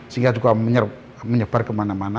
sehingga juga menyebar kemana mana